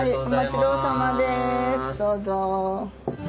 どうぞ。